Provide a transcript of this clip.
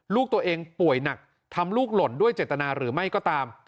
ลูกตัวเองป่วยหนักทำลูกหล่นด้วยเจตนาหรือไม่ก็ตาม